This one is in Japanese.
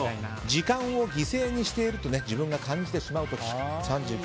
時間を犠牲にしていると自分が感じてしまう時３９．７％。